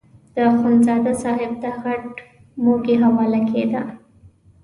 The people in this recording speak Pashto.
د اخندزاده صاحب دا غټ موږی حواله کېده.